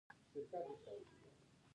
دوی د روغتونونو او درملو مسوول دي.